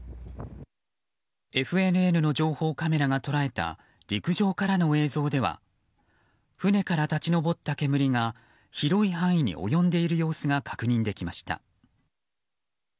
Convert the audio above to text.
ＦＮＮの情報カメラが捉えた陸上からの映像では船から立ち上った煙が広い範囲に及んでいる様子が確認できました。